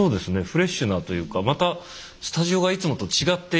フレッシュなというかまたスタジオがいつもと違って感じますね。